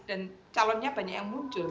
dan calonnya banyak yang muncul